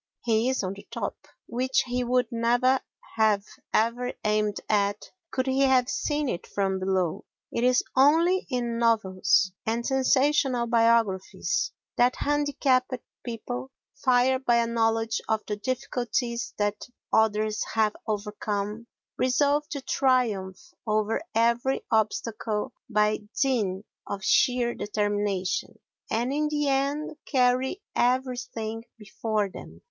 he is on the top, which he would never have even aimed at could he have seen it from below. It is only in novels and sensational biographies that handicapped people, "fired by a knowledge of the difficulties that others have overcome, resolve to triumph over every obstacle by dint of sheer determination, and in the end carry everything before them."